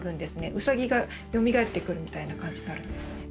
ウサギがよみがえってくるみたいな感じになるんですね。